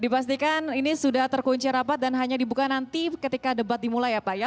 dipastikan ini sudah terkunci rapat dan hanya dibuka nanti ketika debat dimulai ya pak ya